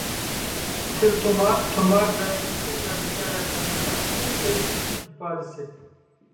تىلتۇمار، تۇمار ۋە تىلسىم ۋە بېشارەتلەرنىڭ ھەممىسى شېرىكلىكنىڭ ئىپادىسى.